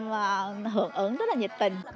được nhiều chị em hưởng ứng rất là nhịp tình